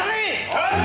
はい！